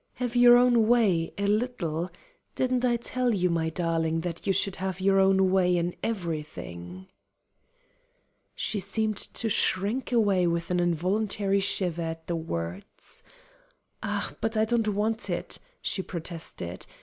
"Have your own way a little! Didn't I tell you, my darling, that you should have your own way in everything?" She seemed to shrink away with an involuntary shiver at the words. "Ah, but I don't want it," she protested.